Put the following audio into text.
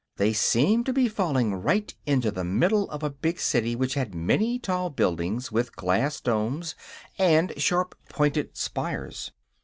They seemed to be falling right into the middle of a big city which had many tall buildings with glass domes and sharp pointed spires.